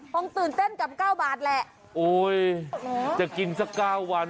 ผมตื่นเต้นกับ๙บาทแหละโอ้ยจะกินสัก๙วัน